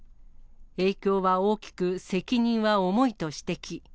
影響は大きく責任は重いと指摘。